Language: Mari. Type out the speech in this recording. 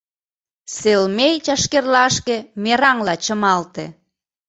Селмей чашкерлашке мераҥла чымалте.